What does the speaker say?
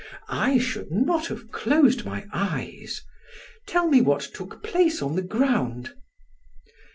"I should not have closed my eyes. Tell me what took place on the ground."